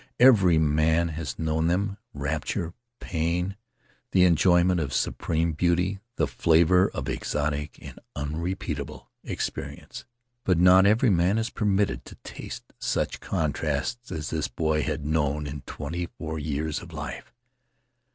Every man has known them — rapture, pain, the enjoyment of supreme beauty, the flavor of exotic and unrepeatable experience; but not Faery Lands of the South Seas every man is permitted to taste such contrasts as this boy had known in twenty four years of life.